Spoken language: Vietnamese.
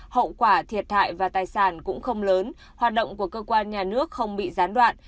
hậu quả thiệt hại và tài sản cũng không lớn hoạt động của cơ quan nhà nước không bị gián đoạn